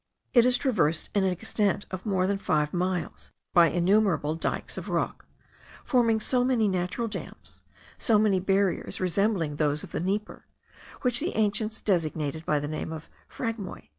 It is traversed, in an extent of more than five miles, by innumerable dikes of rock, forming so many natural dams, so many barriers resembling those of the Dnieper, which the ancients designated by the name of phragmoi.